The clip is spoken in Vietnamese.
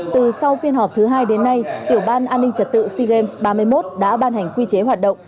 từ sau phiên họp thứ hai đến nay tiểu ban an ninh trật tự sea games ba mươi một đã ban hành quy chế hoạt động